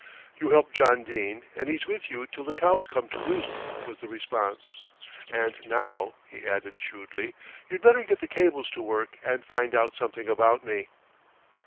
"You help John Dene and he's with you till the cows come to roost," was the response; "and now," he added shrewdly, "you'd better get the cables to work and find out something about me."